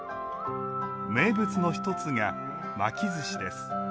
名物の一つが巻きずしです。